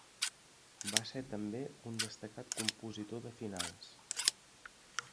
Va ser també un destacat compositor de finals.